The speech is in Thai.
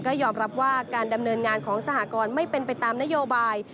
ก็ยอมรับว่าการดำเนินงานของสหกรณ์ไม่เป็นไปตามนโยบาย